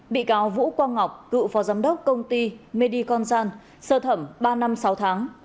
bị cáo vũ quang ngọc cựu phó giám đốc công ty mediconsan sơ thẩm ba năm sáu tháng